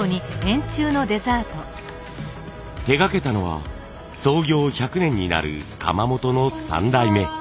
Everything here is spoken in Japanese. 手がけたのは創業１００年になる窯元の３代目。